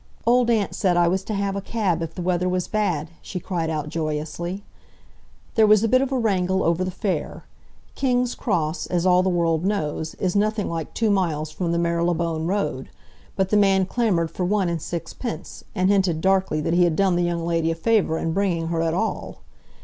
"Old Aunt said I was to have a cab if the weather was bad," she cried out joyously. There was a bit of a wrangle over the fare. King's Cross, as all the world knows, is nothing like two miles from the Marylebone Road, but the man clamoured for one and sixpence, and hinted darkly that he had done the young lady a favour in bringing her at all.